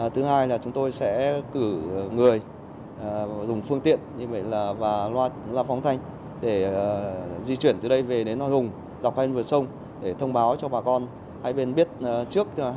thứ hai là chúng tôi sẽ cử người dùng phương tiện và loạt la phóng thanh để di chuyển từ đây về đến hòa hùng dọc hai vườn sông để thông báo cho bà con hai bên biết trước hai mươi bốn h